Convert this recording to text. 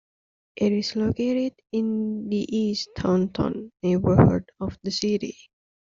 It is located in the "East Taunton" neighborhood of the city.